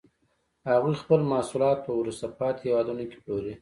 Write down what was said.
هغوی خپل محصولات په وروسته پاتې هېوادونو کې پلوري